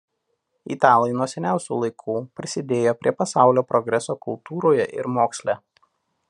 Italai nuo seniausių laikų prisidėjo prie pasaulio progreso kultūroje ir moksle.